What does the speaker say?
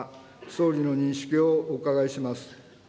総理の認識をお伺いします。